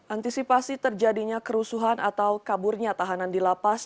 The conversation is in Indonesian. antisipasi terjadinya kerusuhan atau kaburnya tahanan di lapas